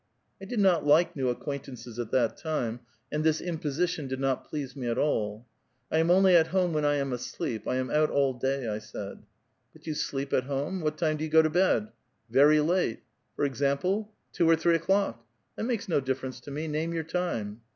I did not like new acquaintances at that time, and this imposition did not please me at all. ''I am only at home when I am asleep; I am out all day," I said. '' But you sleep at home ? What time do you go to bed ?"'^ Very late." '* For example?" *' Two or three o'clock." *' That makes no difference to me ; name your time."